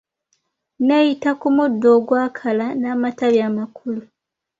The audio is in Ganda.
N'eyita ku muddo ogwakala n'amatabi amakalu.